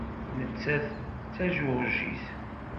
Nettat d Tajuṛjit.